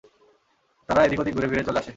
তারা এদিক-ওদিক ঘুরে-ফিরে চলে আসে।